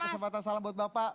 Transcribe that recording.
kesempatan salam buat bapak